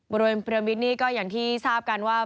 บริเวณเปรมิตนี่ก็อย่างที่ทราบกันว่า